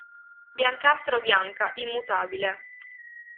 Biancastra o bianca, immutabile.